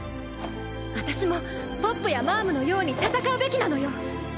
私もポップやマァムのように戦うべきなのよ！